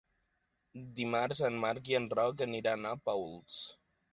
Dimarts en Marc i en Roc aniran a Paüls.